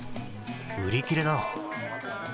売り切れだ。